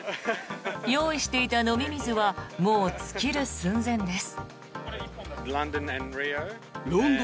用意していた飲み水はもう尽きる寸前です。